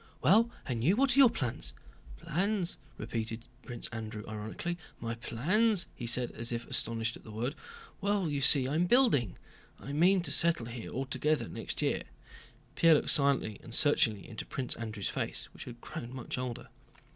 "Well, and you? What are your plans?" "Plans!" repeated Prince Andrew ironically. "My plans?" he said, as if astonished at the word. "Well, you see, I'm building. I mean to settle here altogether next year...." Pierre looked silently and searchingly into Prince Andrew's face, which had grown much older.